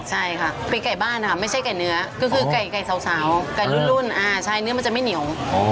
ใช่ค่ะเป็นไก่บ้านนะคะไม่ใช่ไก่เนื้อก็คือไก่ไก่สาวไก่รุ่นอ่าใช่เนื้อมันจะไม่เหนียว